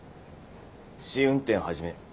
試運転始め。